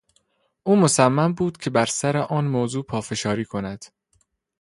او مصمم بود که بر سر آن موضوع پافشاری کند.